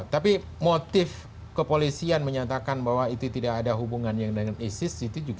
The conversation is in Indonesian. tapi motif kepolisian menyatakan bahwa itu tidak ada hubungan yang dengan isis